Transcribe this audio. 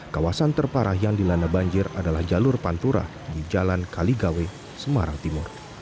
kawasan terparah yang dilanda banjir adalah jalur pantura di jalan kaligawe semarang timur